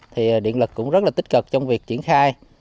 thì điện lực cũng rất là tích cực trong việc triển khai